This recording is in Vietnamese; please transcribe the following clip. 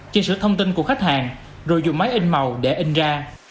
chia sẻ thông tin của khách hàng rồi dùng máy in màu để in ra